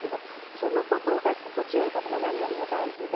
そのことが心地よいことが何よりも大事で。